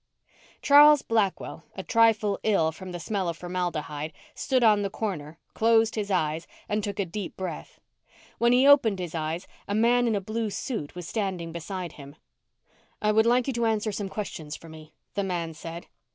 Charles Blackwell, a trifle ill from the smell of formaldehyde, stood on the corner, closed his eyes, and took a deep breath. When he opened his eyes a man in a blue suit was standing beside him. "I would like you to answer some questions for me," the man said.